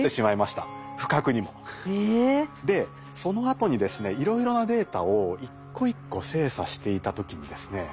でそのあとにですねいろいろなデータを一個一個精査していた時にですね